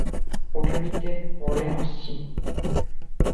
ওটা নিতে পরে আসছি।